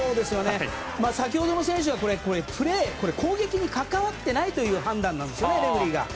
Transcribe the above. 先ほどの選手はプレー攻撃に関わっていないという判断なんですね、レフェリーが。